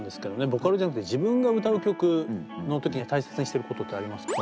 ボカロじゃなくて自分が歌う曲の時に大切にしていることってありますか？